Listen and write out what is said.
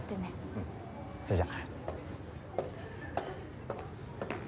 うん。それじゃあ。